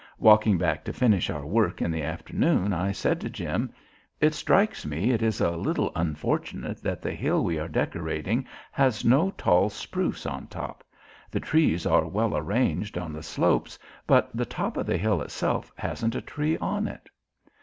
Walking back to finish our work in the afternoon I said to Jim: "It strikes me it is a little unfortunate that the hill we are decorating has no tall spruce on top. The trees are well arranged on the slopes but the top of the hill itself hasn't a tree on it!"